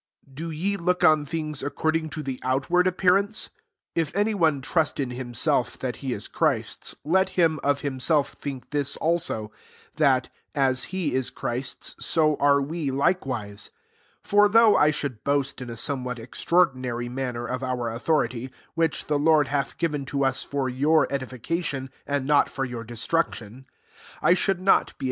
7 Do ye look on things ac cording to the outward appear ance ? If any one trust in him self that he is Christ's, let him of himself think this also, that, as he w Christ's, so are we likewise* 8 For though I should boast in a somewhat extraordi nary manner of our authority, which the Lord hath given to us for your edification, and not for your destruction, I should not be.